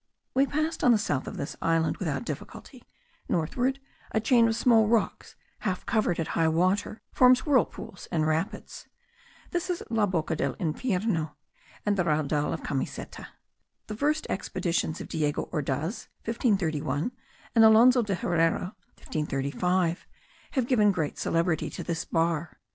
We passed on the south of this island without difficulty; northward, a chain of small rocks, half covered at high water, forms whirlpools and rapids. This is La Boca del Infierno, and the Raudal de Camiseta. The first expeditions of Diego Ordaz (1531) and Alonzo de Herrera (1535) have given celebrity to this bar.